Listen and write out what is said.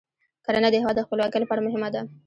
کرنه د هیواد د خپلواکۍ لپاره مهمه ده.